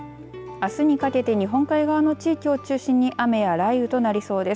あすにかけて日本海側の地域を中心に雨や雷雨となりそうです。